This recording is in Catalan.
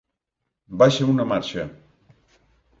Baixa una marxa.